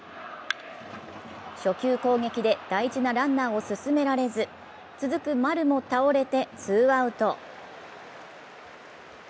初球攻撃で大事なランナーを進められず、続く丸も倒れてツーアウト。